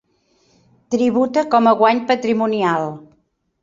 Tributa com a guany patrimonial.